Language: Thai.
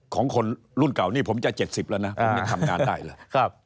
ของคนรุ่นเก่านี่ผมจะ๗๐แล้วนะผมยังทำงานได้เลย